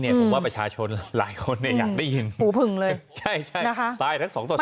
เนี่ยผมว่าประชาชนหลายคนเนี่ยอยากได้ยินหูผึ่งเลยใช่ใช่นะคะ